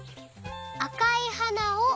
「あかいはなを」